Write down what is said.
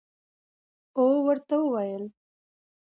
او ورته ووېل